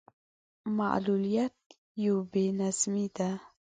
معلوليت يو بې نظمي ده.